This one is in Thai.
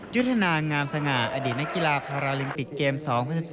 ยุทธนางามสง่าอดีตนักกีฬาพาราลิมปิกเกม๒๐๑๒